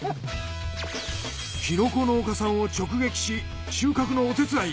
キノコ農家さんを直撃し収穫のお手伝い！